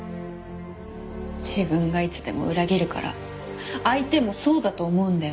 自分がいつでも裏切るから相手もそうだと思うんだよね。